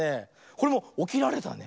これもおきられたね。